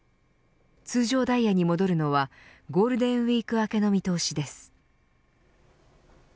通常ダイヤに戻るのはゴールデンウイーク明けの見通しです。